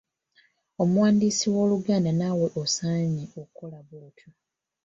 Omuwandiisi w’Oluganda naawe osaanye okole bw’otyo.